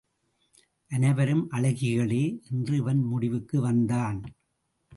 அனைவரும் அழகிகளே என்று இவன் முடிவுக்கு வந்தான்.